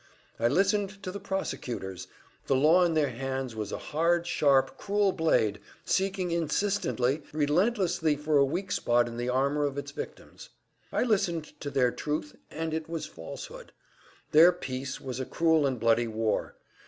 I listened to the prosecutors; the Law in their hands was a hard, sharp, cruel blade, seeking insistently, relentlessly for a weak spot in the armor of its victims. I listened to their Truth, and it was Falsehood. Their Peace was a cruel and bloody War.